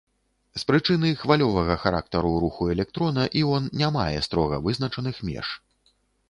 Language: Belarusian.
З прычыны хвалевага характару руху электрона іон не мае строга вызначаных меж.